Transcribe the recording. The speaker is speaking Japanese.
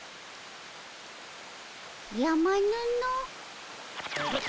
やまぬの。